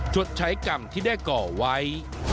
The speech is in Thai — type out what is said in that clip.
ชดใช้กรรมที่ได้ก่อไว้